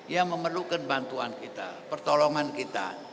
yang memerlukan bantuan kita pertolongan kita